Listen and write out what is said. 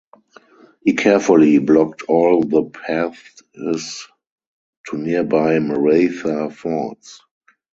He carefully blocked all the paths to nearby Maratha forts.